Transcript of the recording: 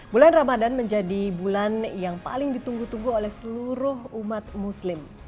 bulan ramadan menjadi bulan yang paling ditunggu tunggu oleh seluruh umat muslim